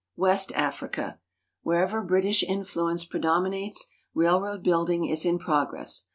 West Africa. Wlierever British influence predominates, railroad building is in progress.